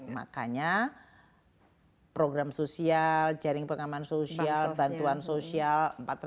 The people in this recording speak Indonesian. makanya program sosial jaring pengaman sosial bantuan sosial empat ratus tujuh puluh enam